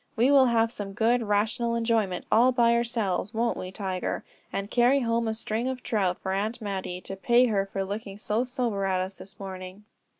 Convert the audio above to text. We will have some good rational enjoyment all by ourselves, won't we, Tiger? And carry home a string of trout for Aunt Mattie, to pay her for looking so sober at us this morning."